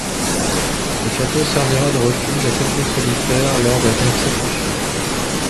Le château servira de refuge à quelques Solitaires lors des persécutions.